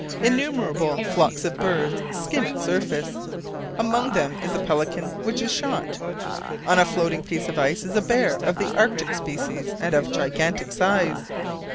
Innumerable flocks of birds skim its surface, among them is a pelican which is shot. On a floating piece of ice is a bear of the Arctic species and of gigantic size.